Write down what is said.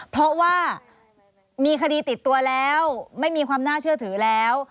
เพราะว่ามีคดีติดตัวแล้วไม่มีความน่าเชื่อถือแล้ว